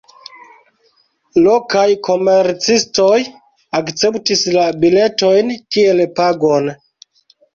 Lokaj komercistoj akceptis la biletojn kiel pagon.